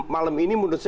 malam ini menurut saya